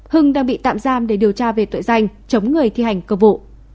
hưng đang bị tạm giam để điều tra về tội danh chống người thi hành cơ bộ